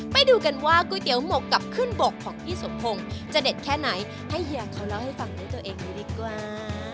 ไปดูกันว่าก๋วยเตี๋ยวหมกกับขึ้นบกของพี่สมพงศ์จะเด็ดแค่ไหนให้เฮียเขาเล่าให้ฟังด้วยตัวเองเลยดีกว่า